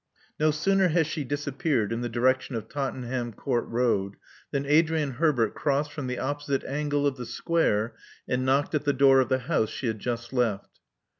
No sooner had she disappeared in the direction of Tottenham Court Road than Adrian Herbert crossed from the opposite angle of the square, and knocked at the door of the house she had just left.